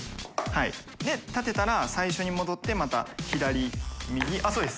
呂で立てたら最初に戻って泙左右あっそうです。